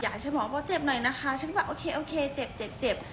อยากใช้หมอบอกเจ็บหน่อยนะคะฉันก็แบบโอเคเจ็บ